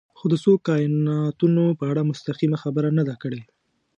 خو د څو کایناتونو په اړه مستقیمه خبره نه ده کړې.